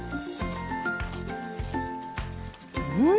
うん！